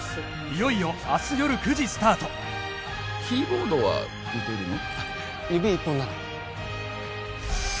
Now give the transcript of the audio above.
いよいよ明日よる９時スタートキーボードは打てるの？